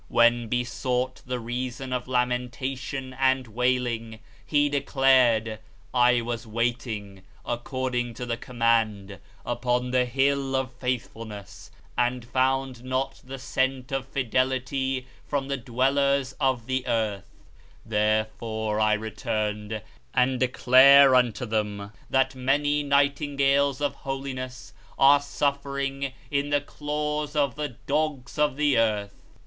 When besought the reason of lamentation and wailing, He declared, "I was waiting, according to the Command, upon the Hill of Faithfulness, and found not the scent of fidelity from the dwellers of the earth; therefore I returned, and declare unto them that many nightingales of holiness are suffering in the claws of the dogs of the earth."